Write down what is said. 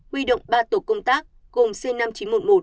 huy động ba tổ công tác gồm c năm nghìn chín trăm một mươi một